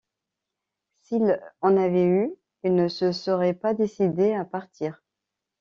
S’il en avait eu, il ne se serait pas décidé à partir.